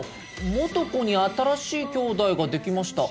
「モトコに新しい兄妹ができました！」。